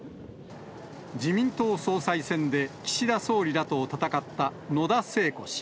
自民党総裁選で岸田総理らと戦った野田聖子氏。